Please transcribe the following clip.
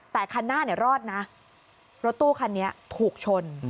แต่คันหน้าเนี่ยรอดนะรถตู้คันนี้ถูกชน